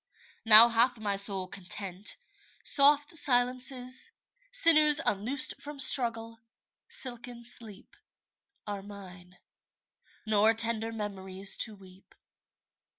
Now hath my soul content. Soft silences, Sinews unloosed from struggle, silken sleep, 27 Are mine; nor tender memories to weep.